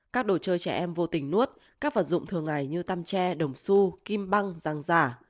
các đồ chơi trẻ em vô tình nuốt các vật dụng thường ngày như tam tre đồng su kim băng rằng giả